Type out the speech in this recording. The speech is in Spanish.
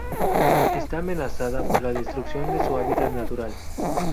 Está amenazada por la destrucción de su hábitat natural.